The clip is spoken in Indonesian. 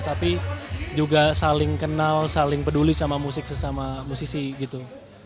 tapi juga saling kenal saling peduli sama musik sesama musisi gitu